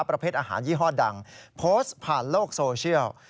ประเภทอาหารยี่ห้อดังโพสต์ผ่านโลกโซเชียล